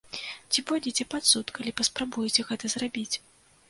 Ці пойдзеце пад суд, калі паспрабуеце гэта зрабіць!